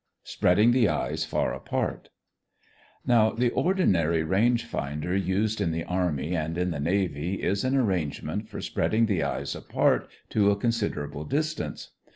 SPREADING THE EYES FAR APART Now the ordinary range finder, used in the army and in the navy, is an arrangement for spreading the eyes apart to a considerable distance.